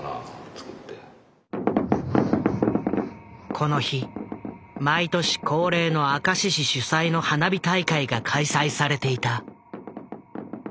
この日毎年恒例の明石市主催の花火大会が開催されていた。